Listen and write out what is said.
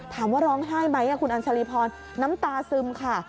ถามว่าร้องไห้ไหมคุณอัญชรีพรน้ำตาซึมค่ะ